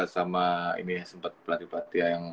sama ini sempet pelatih pelatih yang